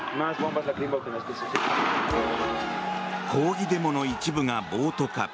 抗議デモの一部が暴徒化。